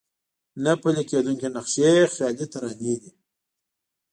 نه پلي کېدونکي نقشې خيالي ترانې دي.